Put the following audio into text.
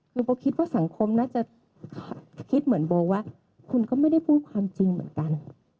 คือโบคิดว่าสังคมน่าจะคิดเหมือนโบว่าคุณก็ไม่ได้พูดความจริงเหมือนกัน